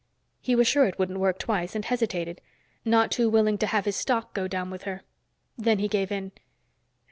He was sure it wouldn't work twice, and he hesitated, not too willing to have his stock go down with her. Then he gave in.